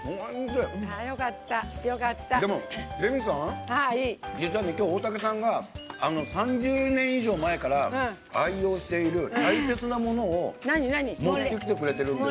でも、レミさん、大竹さんが３０年以上前から愛用している大切なものを持ってきてくれてるんです。